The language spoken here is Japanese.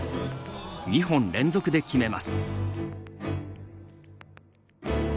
２本連続で決めます。